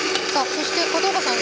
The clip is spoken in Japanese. そして片岡さん